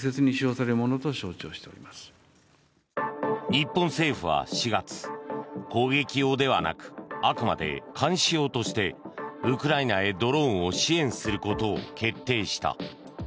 日本政府は４月、攻撃用ではなくあくまで監視用としてウクライナへドローンを支援することを決定した。